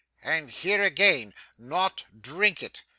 And here again. Not drink it!